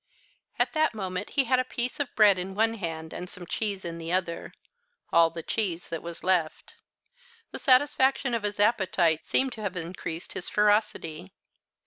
At the moment he had a piece of bread in one hand and some cheese in the other all the cheese that was left. The satisfaction of his appetite seemed to have increased his ferocity.